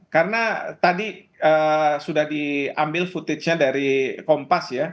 karena tadi sudah diambil footage nya dari kompas ya